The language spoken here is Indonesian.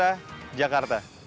radhi lata prawira